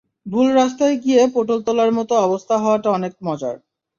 ভুল রাস্তায় গিয়ে পটল তোলার মতো অবস্থা হওয়াটা অনেক মজার।